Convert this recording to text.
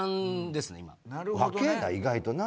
若えな意外とな。